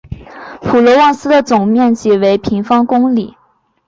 普罗旺斯的总面积为平方公里。